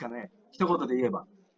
ひと言で言えば。